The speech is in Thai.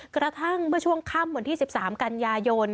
กระทั่งเมื่อช่วงค่ำวันที่๑๓กันยายน